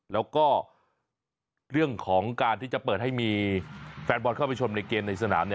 แล้วก็เรื่องของการที่จะเปิดให้มีแฟนบอลเข้าไปชมในเกมในสนาม